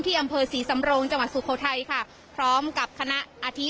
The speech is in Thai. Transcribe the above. อำเภอศรีสำรงจังหวัดสุโขทัยค่ะพร้อมกับคณะอาทิต